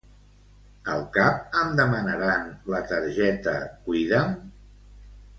Al cap em demanaran la targeta Cuida'm?